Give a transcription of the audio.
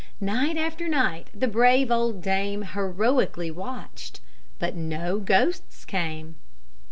Night after night the brave old dame heroically watched, but no ghosts came.